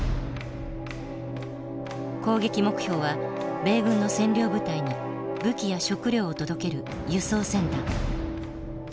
攻撃目標は米軍の占領部隊に武器や食料を届ける輸送船団。